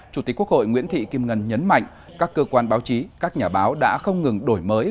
chủ tịch quốc hội nguyễn thị kim ngân nhấn mạnh các cơ quan báo chí các nhà báo đã không ngừng đổi mới